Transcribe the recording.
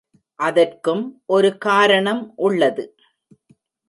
அதற்கும் ஒரு காரணம் உள்ளது.